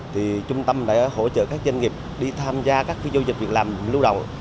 thì trung tâm đã hỗ trợ các doanh nghiệp đi tham gia các phi doanh nghiệp việc làm lưu động